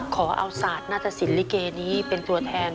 ขอเอาศาสตร์หน้าตะสินลิเกนี้เป็นตัวแทน